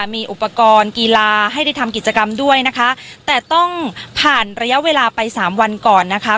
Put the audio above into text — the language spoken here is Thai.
มีอุปกรณ์กีฬาให้ได้ทำกิจกรรมด้วยนะคะแต่ต้องผ่านระยะเวลาไปสามวันก่อนนะคะ